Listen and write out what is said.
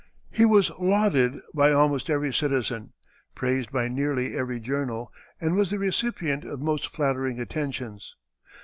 He was lauded by almost every citizen, praised by nearly every journal, and was the recipient of most flattering attentions.